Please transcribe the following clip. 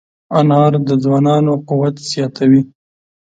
انار د ځوانانو قوت زیاتوي.